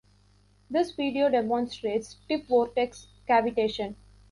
This video demonstrates tip vortex cavitation.